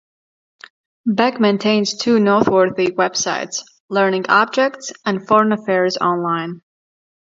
Beck maintains two noteworthy websites: Learning Objects; and Foreign Affairs Online.